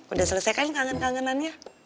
udah selesaikan kangen kangenannya